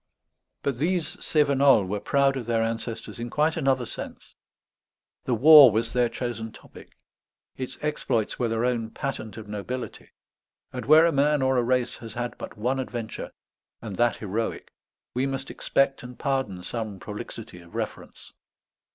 But these Cévenols were proud of their ancestors in quite another sense; the war was their chosen topic; its exploits were their own patent of nobility; and where a man or a race has had but one adventure, and that heroic, we must expect and pardon some prolixity of reference.